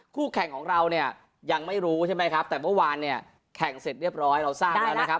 คู่แข่งของเราเนี่ยยังไม่รู้ใช่ไหมครับแต่เมื่อวานเนี่ยแข่งเสร็จเรียบร้อยเราทราบแล้วนะครับ